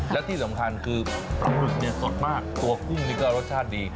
และที่สำคัญคือปลาหมึกเนี่ยสดมากตัวกุ้งนี่ก็รสชาติดี